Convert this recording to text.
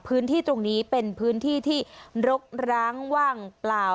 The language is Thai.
พื้นที่ตรงนี้เป็นพื้นที่ที่รกร้างว่างเปล่า